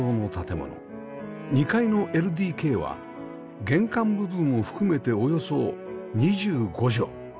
２階の ＬＤＫ は玄関部分を含めておよそ２５畳